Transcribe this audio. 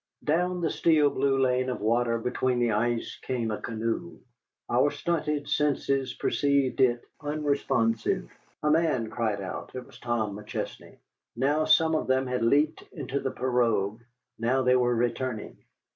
Down the steel blue lane of water between the ice came a canoe. Our stunted senses perceived it, unresponsive. A man cried out (it was Tom McChesney); now some of them had leaped into the pirogue, now they were returning.